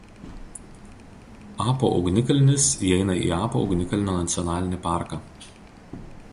Apo ugnikalnis įeina į Apo ugnikalnio nacionalinį parką.